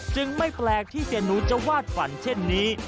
ไม่แปลกที่เสียหนูจะวาดฝันเช่นนี้